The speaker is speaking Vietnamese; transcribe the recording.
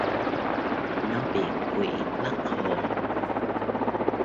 Nó bị quỷ bắt hồn